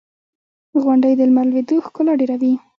• غونډۍ د لمر لوېدو ښکلا ډېروي.